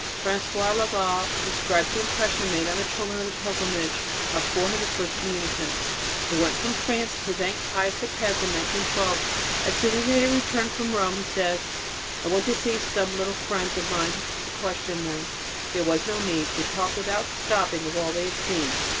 François Laval describes the impression made on the children of a pilgrimage of 400 first communicants who went from France to thank Pius X in 1912. "As soon as they had returned from Rome," he says, "I went to see some little friends of mine to question them. There was no need, they talked without stopping of all they had seen.